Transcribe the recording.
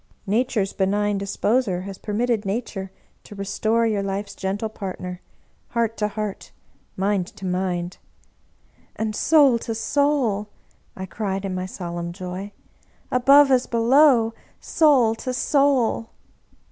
Nature's benign Disposer has permitted Nature to restore your life's gentle partner, heart to heart, mind to mind "" And soul to soul," I cried in my solemn joy. " Above as below, soul to soul